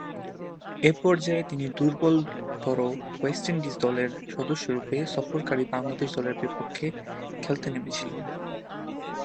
এ পর্যায়ে তিনি দূর্বলতর ওয়েস্ট ইন্ডিজ দলের সদস্যরূপে সফরকারী বাংলাদেশ দলের বিপক্ষে খেলতে নেমেছিলেন।